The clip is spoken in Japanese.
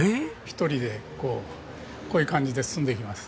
１人でこうこういう感じで進んでいきます。